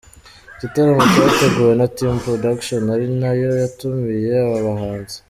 Igitaramo cyateguwe na Team Production ari nayo yatumiye aba bahanzi.